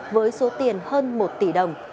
với số tiền hơn một tỷ đồng